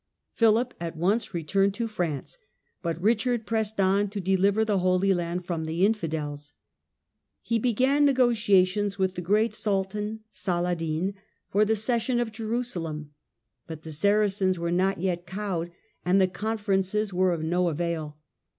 Philip at once returned to France, but Richard pressed on to deliver the Holy I^nd from the infidels. He began negotiations with the great Sultan Saladin for the cession 44 THE CRUSADE. of Jerusalem, but the Saracens were not yet cowed and the conferences were of no avail.